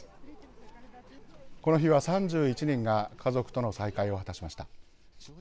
この日は３１人が家族との再会を果たしました。